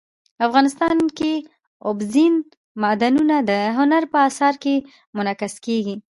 افغانستان کې اوبزین معدنونه د هنر په اثار کې منعکس کېږي.